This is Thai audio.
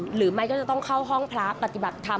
หรือไม่ก็จะต้องเข้าห้องพระปฏิบัติธรรม